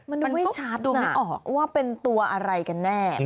มันดูไม่ชัดนะว่าเป็นตัวอะไรกันแน่